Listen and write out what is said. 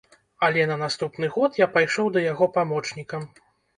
Але на наступны год я пайшоў да яго памочнікам.